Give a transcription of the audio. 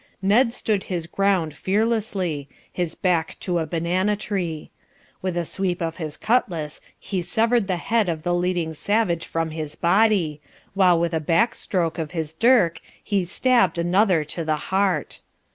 Ned stood his ground fearlessly, his back to a banana tree. With a sweep of his cutlass he severed the head of the leading savage from his body, while with a back stroke of his dirk he stabbed another to the heart.